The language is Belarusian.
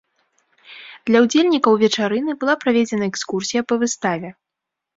Для ўдзельнікаў вечарыны была праведзена экскурсія па выставе.